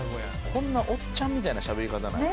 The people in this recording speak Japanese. こんなおっちゃんみたいなしゃべり方なん？